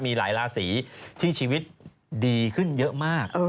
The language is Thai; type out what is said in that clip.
มีหลายราศีที่ชีวิตดีขึ้นเยอะมาก